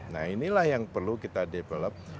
nah inilah yang perlu kita develop